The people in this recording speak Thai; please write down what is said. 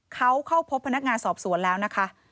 เขาเข้าพบพนักงานสอบสวนแล้วนะคะ